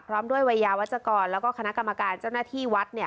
พร้อมด้วยวัยยาวัชกรแล้วก็คณะกรรมการเจ้าหน้าที่วัด